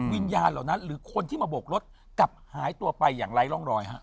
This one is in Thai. เหล่านั้นหรือคนที่มาโบกรถกลับหายตัวไปอย่างไร้ร่องรอยฮะ